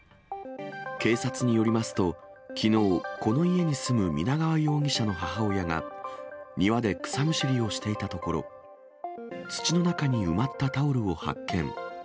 警察によりますと、きのう、この家に住む皆川容疑者の母親が、庭で草むしりをしていたところ、土の中に埋まったタオルを発見。